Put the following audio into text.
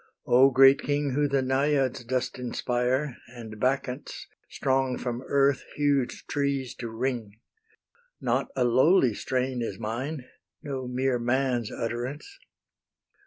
O great King Who the Naiads dost inspire, And Bacchants, strong from earth huge trees to wring! Not a lowly strain is mine, No mere man's utterance.